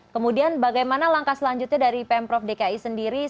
kemudian bagaimana langkah selanjutnya dari pm prof dki